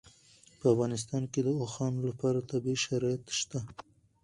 په افغانستان کې د اوښانو لپاره طبیعي شرایط شته.